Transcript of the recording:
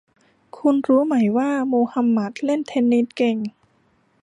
คุณรู้ไหมว่ามูฮัมหมัดเล่นเทนนิสเก่ง